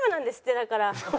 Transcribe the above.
だから。